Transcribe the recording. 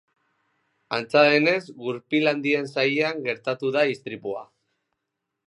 Antza denez, gurpil handien sailean gertatu da istripua.